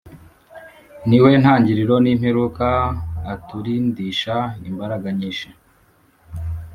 Niwe ntangiriro nimperuka aturindisha imbaraga nyinshi